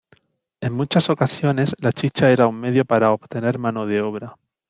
En muchas ocasiones la chicha era un medio para obtener mano de obra.